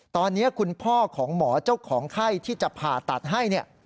ตอนนี้คุณพ่อของหมอเจ้าของไข้ที่จะผ่าตัดให้เนี่ย